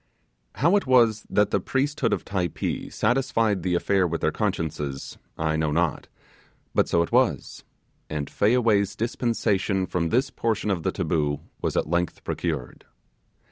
How it was that the priesthood of Typee satisfied the affair with their consciences, I know not; but so it was, and Fayaway dispensation from this portion of the taboo was at length procured.